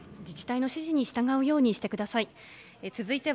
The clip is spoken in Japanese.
自治体の指示に従うようにしてください。